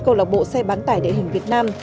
công lâm bộ xe bán tải đệ hình việt nam